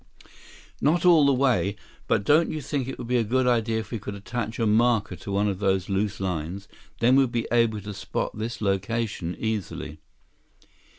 145 "Not all the way. But don't you think it would be a good idea if we could attach a marker to one of the loose lines? Then we'd be able to spot this location easily."